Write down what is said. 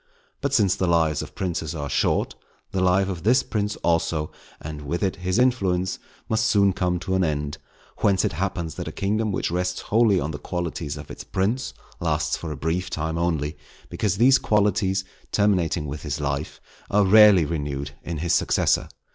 But since the lives of princes are short, the life of this prince, also, and with it his influence, must soon come to an end; whence it happens that a kingdom which rests wholly on the qualities of its prince, lasts for a brief time only; because these qualities, terminating with his life, are rarely renewed in his successor.